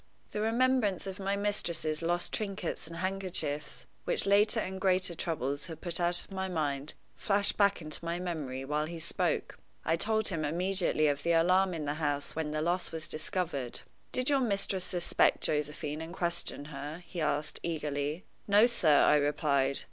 The remembrance of my mistress's lost trinkets and handkerchiefs, which later and greater troubles had put out of my mind, flashed back into my memory while he spoke. I told him immediately of the alarm in the house when the loss was discovered. "Did your mistress suspect Josephine and question her?" he asked, eagerly. "No, sir," I replied.